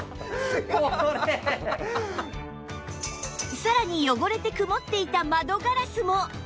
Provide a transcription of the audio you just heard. さらに汚れて曇っていた窓ガラスも